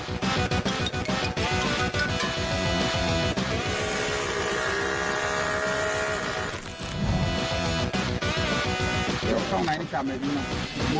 ขอบคุณครับผมขอแค่นี้ครับ